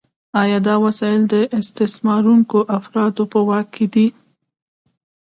آیا دا وسایل د استثمارونکو افرادو په واک کې دي؟